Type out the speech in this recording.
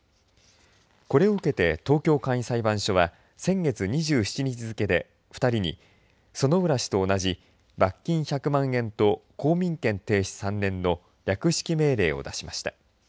これを受けて東京簡易裁判所は先月２７日付けで２人に薗浦氏と同じ罰金１００万円と公民権停止３年の略式命令を出しました。